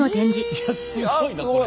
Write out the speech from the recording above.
いやすごいなこれ。